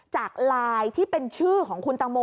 จากไลน์ที่เป็นชื่อของคุณตังโม